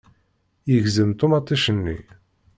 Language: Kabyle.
Yegzem ṭumaṭic-nni.